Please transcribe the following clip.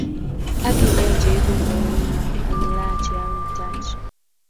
Ak kilenji ibu ngoriono ilaachi ak itaach